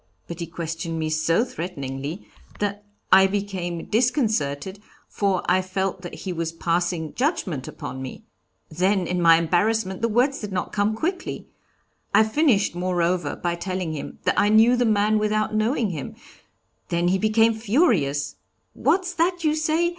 But he questioned me so threateningly that I became disconcerted, for I felt that he was passing judgment upon me. Then in my embarrassment the words did not come quickly. I finished, moreover, by telling him that I knew the man without knowing him; then he became furious: 'What's that you say?